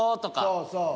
そうそう。